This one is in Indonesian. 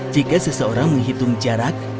jika seseorang menghitung jarak